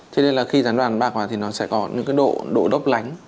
thế nên là khi rán vàng bạc thì nó sẽ có những cái độ độ đốc lánh